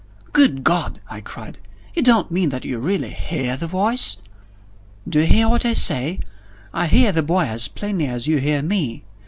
"Good God!" I cried. "You don't mean that you really hear the voice?" "Do you hear what I say? I hear the boy as plainly as you hear me.